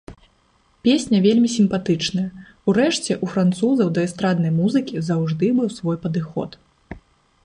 Песня вельмі сімпатычная, урэшце, у французаў да эстраднай музыкі заўжды быў свой падыход.